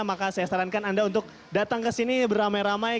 maka saya sarankan anda untuk datang ke sini beramai ramai